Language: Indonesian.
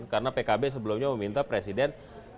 karena pkb sebelumnya meminta presiden